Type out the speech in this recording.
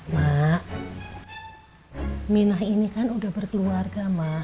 mak minah ini kan udah berkeluarga mak